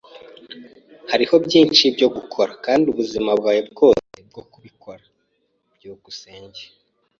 Hariho byinshi byo gukora, kandi ubuzima bwawe bwose bwo kubikora. byukusenge